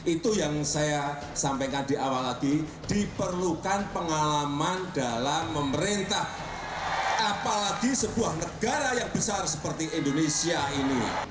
itu yang saya sampaikan di awal lagi diperlukan pengalaman dalam memerintah apalagi sebuah negara yang besar seperti indonesia ini